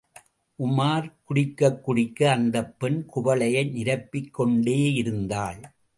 உமார் குடிக்கக் குடிக்க அந்தப் பெண் குவளையை நிரப்பிக் கொண்டேயிருந்தாள்.